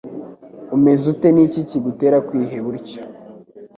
umeze ute ni iki kigutera kwiheba utyo